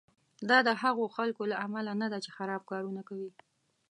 دا د هغو خلکو له امله نه ده چې خراب کارونه کوي.